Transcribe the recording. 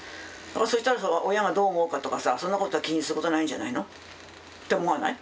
そしたら親がどう思うかとかさそんなことを気にすることはないんじゃないの？って思わない？